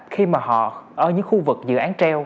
khi mà họ ở những khu vực dự án treo